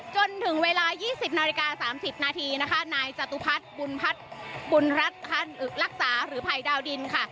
จนถึงเวลา๒๐นาฬิกา๓๐นาทีนะคะนายจตุพัฒน์บุญรัฐรักษาหรือภัยดาวดินค่ะ